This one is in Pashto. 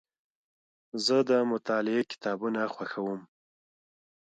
زه د مطالعې کتابونه خوښوم.